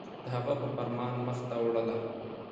د هغه په فرمان مخ ته وړله